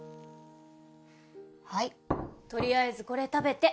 はいとりあえずこれ食べて